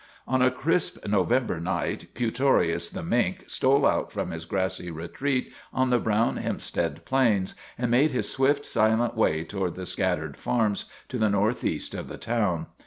* On a crisp November night Putorius the mink stole out from his grassy retreat on the brown Hempstead plains and made his swift, silent way to ward the scattered farms to the northeast of the town.